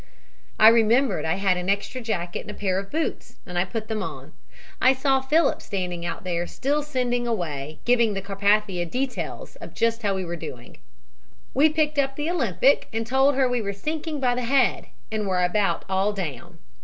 "I remembered I had an extra jacket and a pair of boots, and I put them on. I saw Phillips standing out there still sending away, giving the Carpathia details of just how we were doing. "We picked up the Olympic and told her we were sinking by the head and were about all down.